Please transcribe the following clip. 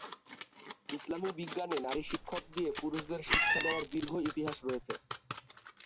ইসলামী বিজ্ঞানে নারী শিক্ষক দিয়ে পুরুষদের শিক্ষা দেওয়ার দীর্ঘ ইতিহাস রয়েছে।